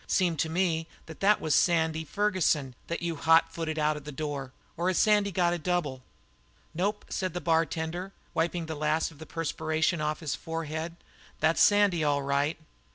Seemed to me that that was Sandy Ferguson that you hot footed out of that door or has Sandy got a double?" "Nope," said the bartender, wiping the last of the perspiration from his forehead, "that's Sandy, all right."